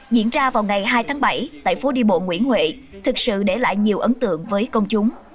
diễn ra vào ngày hai tháng bảy tại phố đi bộ nguyễn huệ thực sự để lại nhiều ấn tượng với công chúng